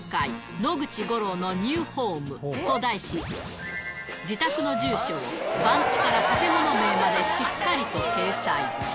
野口五郎のニュー・ホームとと題し、自宅の住所を番地から建物名までしっかりと掲載。